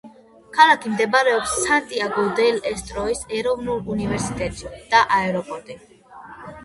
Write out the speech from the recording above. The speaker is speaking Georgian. ქალაქში მდებარეობს სანტიაგო-დელ-ესტეროს ეროვნული უნივერსიტეტი და აეროპორტი.